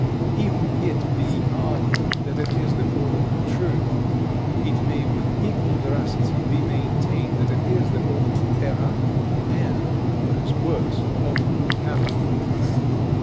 If it be argued that it is the organ of truth, it may with equal veracity be maintained that it is the organ of error, and, what is worse, of calumny.